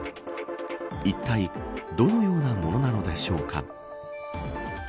いったいどのようなものなのでしょうか。